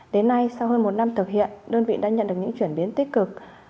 đến nay sau hơn một năm thực hiện đơn vị đã nhận được những chuyển biến tích cực